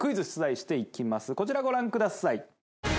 こちらご覧ください